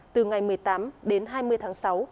từ ngày một mươi tám đến hai mươi tháng sáu